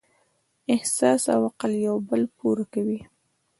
احساس او عقل یو بل پوره کوي.